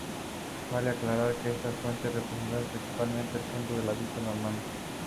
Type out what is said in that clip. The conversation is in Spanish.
Vale aclarar que estas fuentes representan principalmente el punto de vista normando.